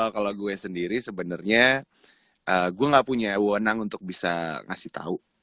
kalau gue sendiri sebenarnya gue gak punya wonang untuk bisa ngasih tahu